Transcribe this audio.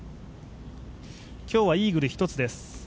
今日はイーグル１つです。